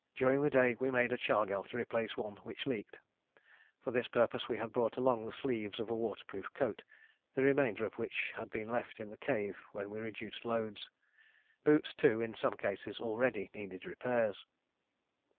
During the day we made a chargal to replace one which leaked. For this purpose we had brought along the sleeves of a waterproof coat, the remainder of which had been left in the cave when we reduced loads. Boots, too, in some cases, already needed repairs.